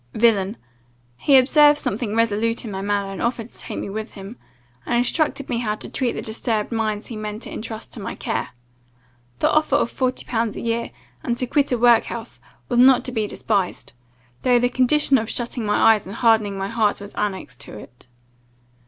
villain. He observed something resolute in my manner, and offered to take me with him, and instruct me how to treat the disturbed minds he meant to intrust to my care. The offer of forty pounds a year, and to quit a workhouse, was not to be despised, though the condition of shutting my eyes and hardening my heart was annexed to it.